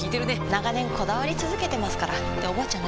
長年こだわり続けてますからっておばあちゃん